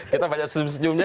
kita banyak senyum senyumnya